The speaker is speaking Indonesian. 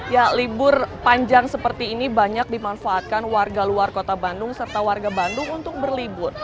ya libur panjang seperti ini banyak dimanfaatkan warga luar kota bandung serta warga bandung untuk berlibur